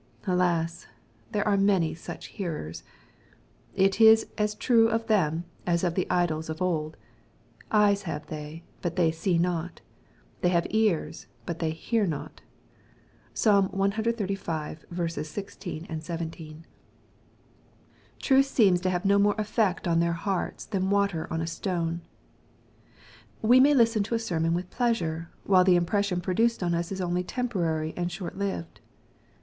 Alas I there are many such hearers I It is as true of them as of the idols of old, " eyes have they, but they see not ; they have ears, but they hear not." (Psal. cxxxv. 16, 17.) Truth seems to have no more effect on their hearts than water on a stone. We may listen to a sermon with pleasure, while the impression produced on us is only temporary and short lived.